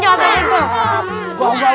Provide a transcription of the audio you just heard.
kita harus dijuangkan